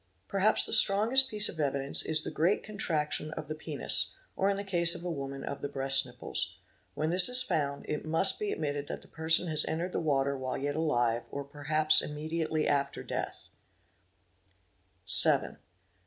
Perhaps the strongest piece of evidence is the great contraction of the penis, or in the case of a woman of the breast nipples. When this is found it must be admitted that the person has entered the water while — yet alive or perhaps immediately after death 4?» . 7.